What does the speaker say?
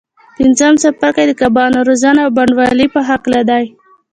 پنځم څپرکی د کبانو روزنه او بڼوالۍ په هکله دی.